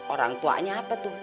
orang tuanya apa tuh